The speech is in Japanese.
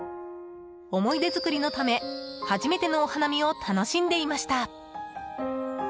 思い出作りのため、初めてのお花見を楽しんでいました。